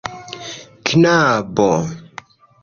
knabo